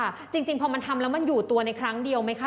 จริงพอมันทำแล้วมันอยู่ตัวในครั้งเดียวไหมคะ